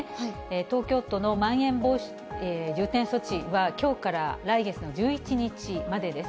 東京都のまん延防止等重点措置はきょうから来月の１１日までです。